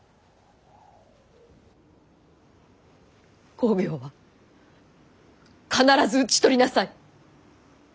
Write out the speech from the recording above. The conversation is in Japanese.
公暁は必ず討ち取りなさい。